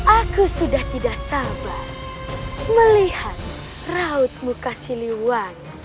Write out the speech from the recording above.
aku sudah tidak sabar melihat rautmu kasih siliwangi